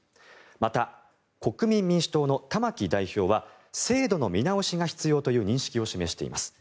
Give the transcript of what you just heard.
また、国民民主党の玉木代表は制度の見直しが必要という認識を示しています。